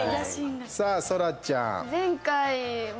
さあ、そらちゃん。